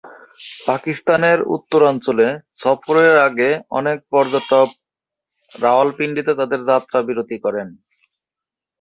পাকিস্তানের উত্তরাঞ্চলে সফরের আগে অনেক পর্যটক রাওয়ালপিন্ডিতে তাঁদের যাত্রা বিরতি করেন।